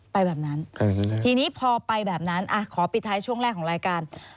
แบบนั้นทีนี้พอไปแบบนั้นขอปิดท้ายช่วงแรกของรายการ